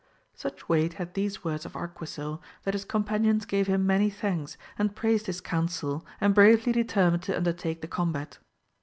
Such weight had these words of Arquisil that his companions gave him many thanks, and praised his council and bravely determined to undertake the combat.